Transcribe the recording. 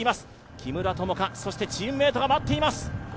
木村友香、そしてチームメイトが待っています！